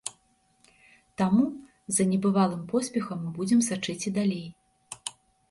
Таму за небывалым поспехам мы будзем сачыць і далей.